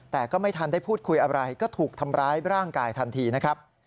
แต่ก็ไม่ทันได้พูดคุยอะไรก็ถูกทำร้ายร่างกายทันทีนะครับ